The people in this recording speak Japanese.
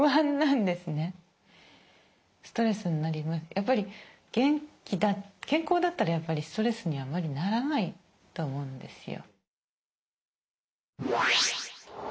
やっぱり健康だったらやっぱりストレスにはあまりならないと思うんですよ。